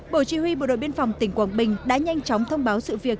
bộ chỉ huy bộ đội biên phòng tỉnh quảng bình đã nhanh chóng thông báo sự việc